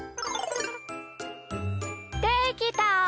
できた！